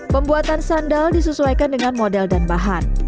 pembuatan sandal disesuaikan dengan model dan bahan